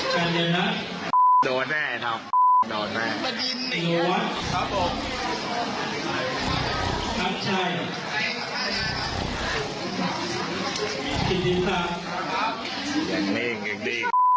เห็นแหม